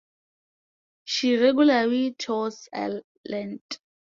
She regularly tours Ireland.